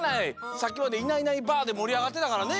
さっきまで「いないいないばあっ！」でもりあがってたからね。